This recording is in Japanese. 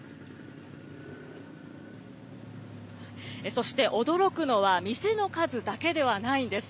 そして驚くのは、店の数だけではないんです。